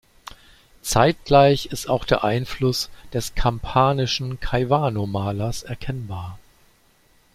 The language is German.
Zeitgleich ist auch der Einfluss des kampanischen Caivano-Malers erkennbar.